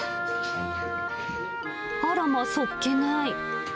あらまあ、そっけない。